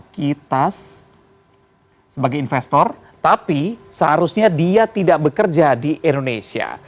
kita sebagai investor tapi seharusnya dia tidak bekerja di indonesia